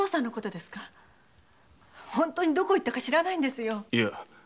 本当にどこへ行ったか知らないんですよ。